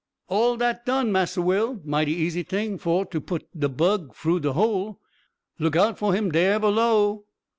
"All dat done, Massa Will; mighty easy ting for to put de bug fru de hole look out for him dare below!"